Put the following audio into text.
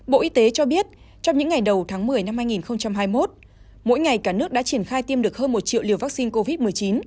bộ y tế cho biết trong những ngày đầu tháng một mươi năm hai nghìn hai mươi một mỗi ngày cả nước đã triển khai tiêm được hơn một triệu liều vaccine covid một mươi chín